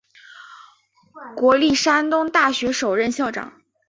国立山东大学首任校长。